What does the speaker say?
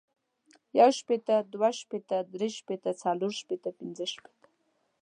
يو شپيته ، دوه شپيته ،دري شپیته ، څلور شپيته ، پنځه شپيته،